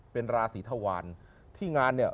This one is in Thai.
เป็นราศีธวารที่งานเนี่ย